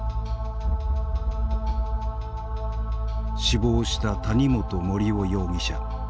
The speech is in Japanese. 死亡した谷本盛雄容疑者。